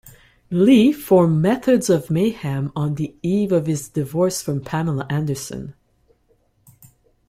Lee formed Methods of Mayhem on the eve of his divorce from Pamela Anderson.